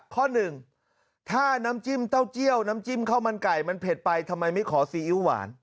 ข้อหนึ่งถ้าน้ำจิ้มเต้าเจี้ยวน้ำจิ้มข้าวมันไก่มันเผ็ดไปทำไมไม่ขอซีอิ๊วหวาน